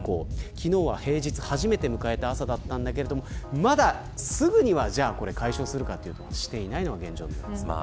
昨日は、平日初めて迎えた朝でしたがすぐに解消するかというとしていないのが現状です。